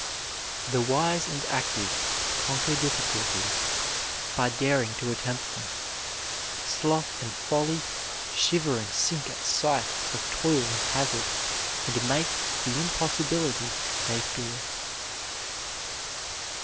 "The wise and active conquer difficulties, By daring to attempt them; sloth and folly Shiver and sink at sight of toil and hazard, And make the impossibility they fear."